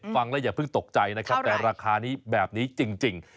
ฟังแล้วอย่าเพิ่งตกใจนะครับแต่ราคานี้แบบนี้จริง